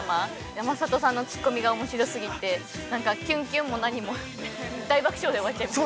山里さんのツッコミがおもしろすぎて何かきゅんきゅんも何も大爆笑で終わっちゃいました。